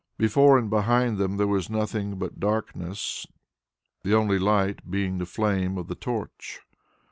Before and behind them there was nothing but darkness, the only light being the flame of the torch.